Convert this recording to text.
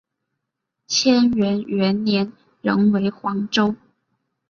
干元元年仍为黄州。